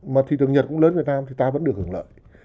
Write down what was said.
mà thị trường nhật cũng lớn việt nam thì ta vẫn được hưởng lợi